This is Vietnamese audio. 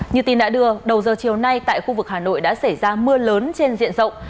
như tin đã đưa đầu giờ chiều nay tại khu vực hà nội đã xảy ra mưa lớn trên diện rộng